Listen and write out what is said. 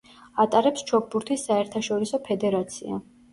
ატარებს ჩოგბურთის საერთაშორისო ფედერაცია.